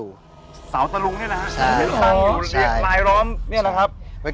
ชื่องนี้ชื่องนี้ชื่องนี้ชื่องนี้ชื่องนี้ชื่องนี้